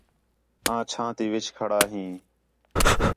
آں چھاں تی وِچ کھڑا ہیں